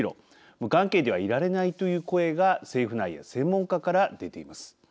無関係ではいられないという声が政府内や専門家から出ています。